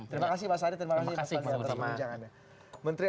terima kasih mas adi terima kasih